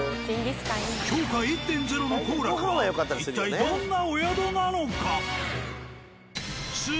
評価１．０の「幸楽」は一体どんなお宿なのか！？